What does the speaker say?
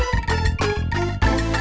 ini hari ketiga